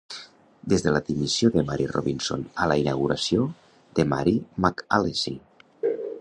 Des de la dimissió de Mary Robinson a la inauguració de Mary McAleese.